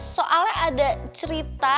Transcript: soalnya ada cerita